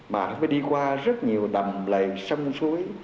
mà nó phải đi qua rất nhiều đầm lầy sông suối